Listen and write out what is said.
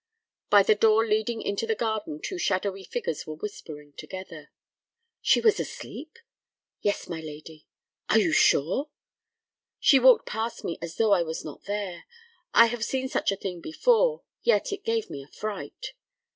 By the door leading into the garden two shadowy figures were whispering together. "She was asleep?" "Yes, my lady." "Are you sure?" "She walked past me as though I was not there. I have seen such a thing before, yet it gave me a fright."